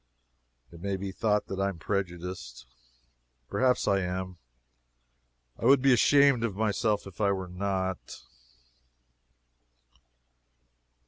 It may be thought that I am prejudiced. Perhaps I am. I would be ashamed of myself if I were not.